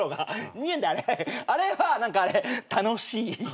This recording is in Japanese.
あれは何かあれ楽しい。